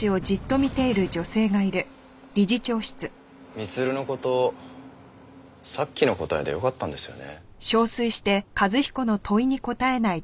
光留の事さっきの答えでよかったんですよね？